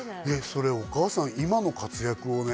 それお母さん今の活躍をね